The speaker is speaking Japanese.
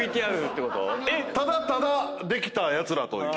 ただただできたやつらという。